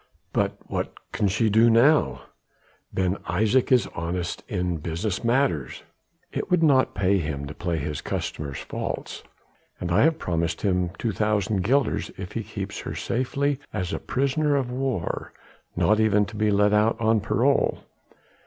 "But what can she do now? Ben Isaje is honest in business matters. It would not pay him to play his customers false. And I have promised him two thousand guilders if he keeps her safely as a prisoner of war, not even to be let out on parole.